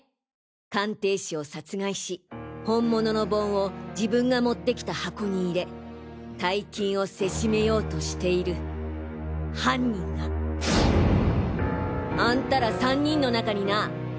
鑑定士を殺害し本物の盆を自分が持って来た箱に入れ大金をせしめようとしている犯人があんたら３人の中にな！